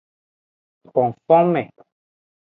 Fofonme.